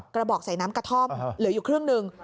กระบอกใส่น้ำกระท่อมเหลืออยู่ครึ่งหนึ่ง